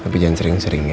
tapi jangan sering sering ya